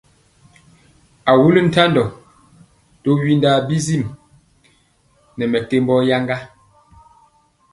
A wuli ntandɔ to windaa bisim nɛ mɛkembɔ yaŋga.